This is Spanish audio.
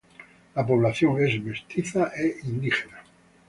La población es mestiza e indígena.